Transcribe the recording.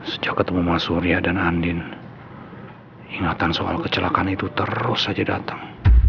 sejak ketemu mas surya dan andin ingatan soal kecelakaan itu terus saja datang